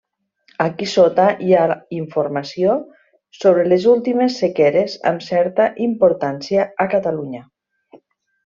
Aquí sota hi ha informació sobre les últimes sequeres amb certa importància a Catalunya.